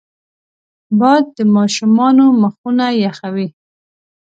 باد د ماشومانو مخونه یخوي